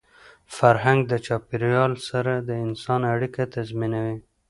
فرهنګ د چاپېریال سره د انسان اړیکه تنظیموي.